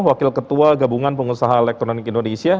wakil ketua gabungan pengusaha elektronik indonesia